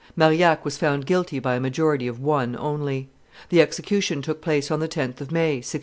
Marillac was found guilty by a majority of one only. The execution took place on the 10th of May, 1632.